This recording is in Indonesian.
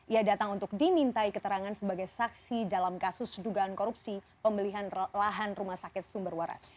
ia datang untuk dimintai keterangan sebagai saksi dalam kasus dugaan korupsi pembelian lahan rumah sakit sumber waras